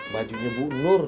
bajunya bu nur